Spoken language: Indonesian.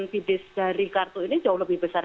fee base dari kartu ini jauh lebih besar